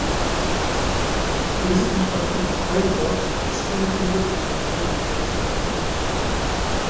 Diese verstanden aber kein Wort des ihnen unbekannten Dialektes.